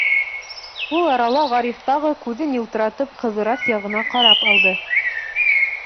Ул арала Ғариф тағы, күҙен йылтыратып, Ҡыҙырас яғына ҡарап алды.